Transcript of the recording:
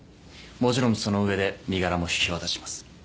もちろんその上で身柄も引き渡します